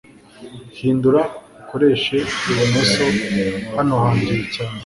Hindura ukoreshe ibumoso hano handuye cyane .